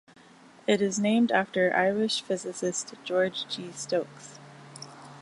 It is named after Irish physicist George G. Stokes.